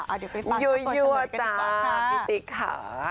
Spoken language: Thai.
ยัวจ้าขอถามพี่ติ๊กค่ะ